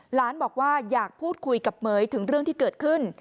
หลานบอกว่าอยากพูดคุยกับเหม๋ยถึงเรื่องที่เกิดขึ้น